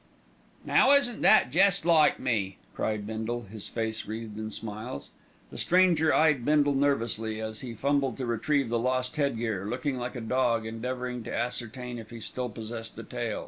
"Now isn't that jest like me!" cried Bindle, his face wreathed in smiles. The stranger eyed Bindle nervously, as he fumbled to retrieve his lost head gear, looking like a dog endeavouring to ascertain if he still possessed a tail.